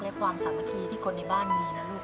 ว้าวว้าวว้าว